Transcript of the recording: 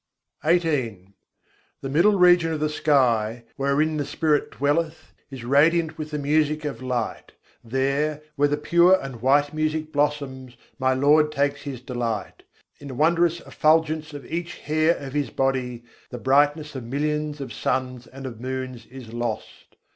XVIII II. 77. maddh âkas' âp jahân baithe The middle region of the sky, wherein the spirit dwelleth, is radiant with the music of light; There, where the pure and white music blossoms, my Lord takes His delight. In the wondrous effulgence of each hair of His body, the brightness of millions of suns and of moons is lost.